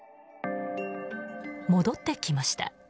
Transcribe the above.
戻ってきました。